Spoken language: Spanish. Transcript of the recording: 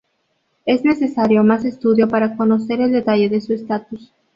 Es necesario más estudio para conocer el detalle de su estatus.